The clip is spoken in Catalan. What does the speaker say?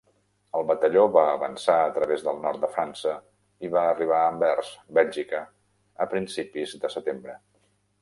El batalló va avançar a través del nord de França i va arribar a Anvers, Bèlgica, a principis de setembre.